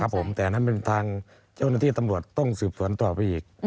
ครับผมแต่นั่นเป็นทางเจ้าหน้าที่ตำรวจต้องสืบสวนตัวไปอีก